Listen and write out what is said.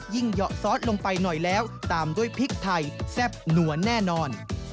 เหยาะซอสลงไปหน่อยแล้วตามด้วยพริกไทยแซ่บหนัวแน่นอน